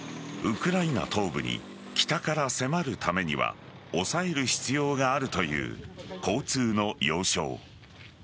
ウクライナ東部に北から迫るためには抑える必要があるという交通の要衝。